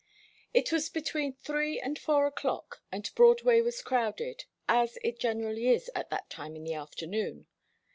It was between three and four o'clock, and Broadway was crowded, as it generally is at that time in the afternoon.